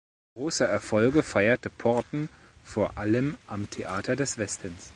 Große Erfolge feierte Porten vor allem am Theater des Westens.